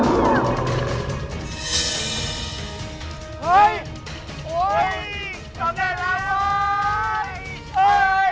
เก่งมากเลยครับปู